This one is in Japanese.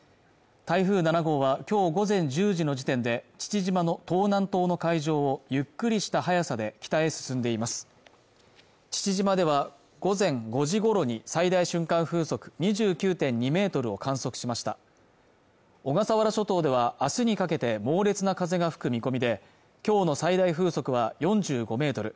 台風７号はきょう午前１０時の時点で父島の東南東の海上をゆっくりした速さで北へ進んでいます父島では午前５時ごろに最大瞬間風速２９．２ｍを観測しました小笠原諸島ではあすにかけて猛烈な風が吹く見込みできょうの最大風速は４５メートル